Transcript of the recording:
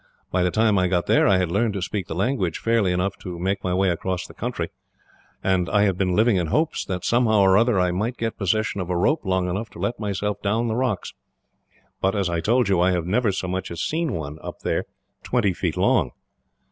By the time I got there, I had learned to speak the language fairly enough to make my way across the country, and I have been living in hopes that, somehow or other, I might get possession of a rope long enough to let myself down the rocks. But, as I told you, I have never so much as seen one up there twenty feet long.